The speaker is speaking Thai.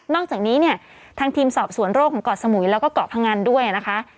อกจากนี้เนี่ยทางทีมสอบสวนโรคของเกาะสมุยแล้วก็เกาะพงันด้วยนะคะ